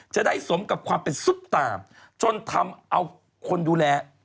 จะได้สมกับความเป็นซุปตาจนทำเอาคนดูแล